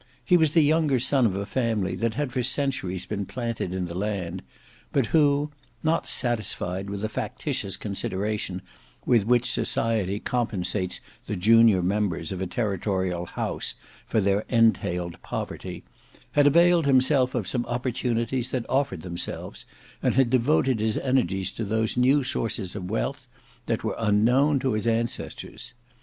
He was the younger son of a family that had for centuries been planted in the land, but who, not satisfied with the factitious consideration with which society compensates the junior members of a territorial house for their entailed poverty, had availed himself of some opportunities that offered themselves, and had devoted his energies to those new sources of wealth that were unknown to his ancestors.